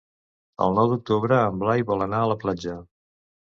El nou d'octubre en Blai vol anar a la platja.